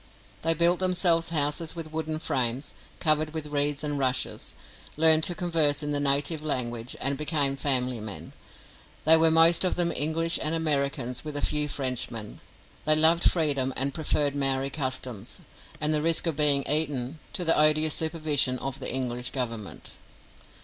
They built themselves houses with wooden frames, covered with reeds and rushes, learned to converse in the native language, and became family men. They were most of them English and Americans, with a few Frenchmen. They loved freedom, and preferred Maori customs, and the risk of being eaten, to the odious supervision of the English Government.